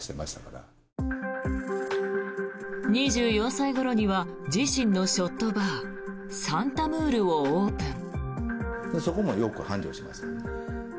２４歳ごろには自身のショットバーサンタムールをオープン。